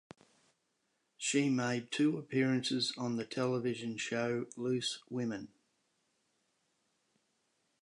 She made two appearances on the television show Loose Women.